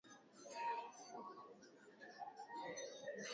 Maji hayo na damu,